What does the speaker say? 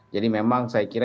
jadi memang saya kira